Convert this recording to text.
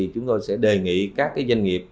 chúng tôi sẽ đề nghị các doanh nghiệp